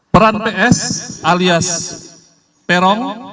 peran p s alias perong